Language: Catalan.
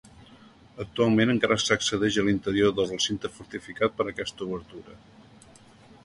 Actualment encara s'accedeix a l'interior del recinte fortificat per aquesta obertura.